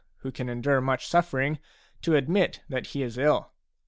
who can endure much suffering, to admit that he is ill.